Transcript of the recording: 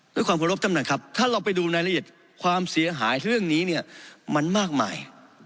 ด้วยความขอบคุณครับท่านเราไปดูในละเอียดความเสียหายเรื่องนี้เนี่ยมันมากมาย